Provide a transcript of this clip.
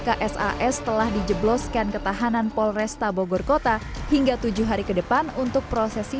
ksas telah dijebloskan ketahanan polresta bogor kota hingga tujuh hari ke depan untuk prosesi